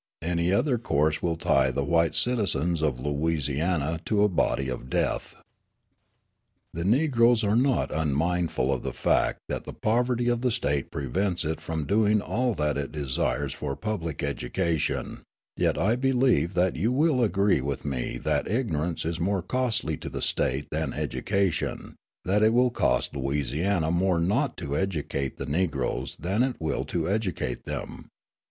Any other course will tie the white citizens of Louisiana to a body of death. "The Negroes are not unmindful of the fact that the poverty of the State prevents it from doing all that it desires for public education; yet I believe that you will agree with me that ignorance is more costly to the State than education, that it will cost Louisiana more not to educate the Negroes than it will to educate them.